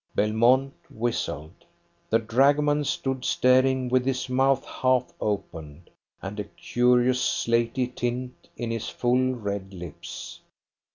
Belmont whistled. The dragoman stood staring with his mouth half open, and a curious slaty tint in his full, red lips.